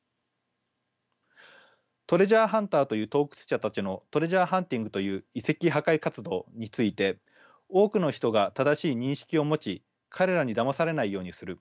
トレジャーハンターという盗掘者たちのトレジャーハンティングという遺跡破壊活動について多くの人が正しい認識を持ち彼らにだまされないようにする。